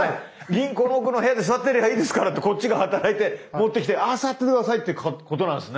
銀行の奥の部屋で座ってればいいですからってこっちが働いて持ってきてあ座って下さいっていうことなんですね。